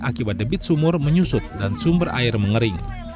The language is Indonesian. akibat debit sumur menyusut dan sumber air mengering